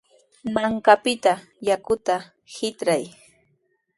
Mankapita yakuta hitray.